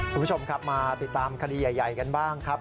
คุณผู้ชมครับมาติดตามคดีใหญ่กันบ้างครับ